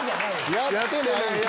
やってないです！